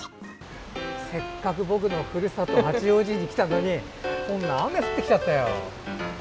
せっかくの僕のふるさと八王子に来たのにこんな雨降ってきちゃったよ。